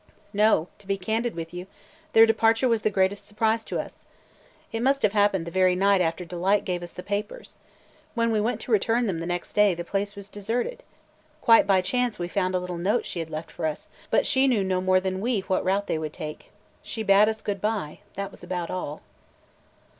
"No, to be candid with you, their departure was the greatest surprise to us. It must have happened the very night after Delight gave us the papers. When we went to return them next day, the place was deserted. Quite by chance we found a little note she had left for us, but she knew no more than we what route they would take. She bade us good by; that was about all."